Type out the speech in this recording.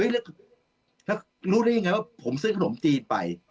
แล้วรู้ได้ยังไงว่าผมซื้อขนมจีนไป